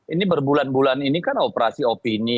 ini berbulan bulan ini kan operasi opini